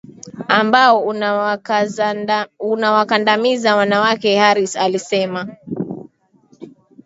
ambao unawakandamiza wanawake Harris alisema